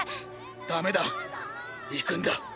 ダメだ行くんだ。